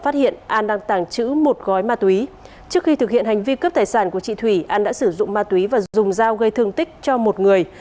trước khi thực hiện hành vi cướp tài sản của chị thủy an đã sử dụng ma túy và dùng dao gây thương tích cho một người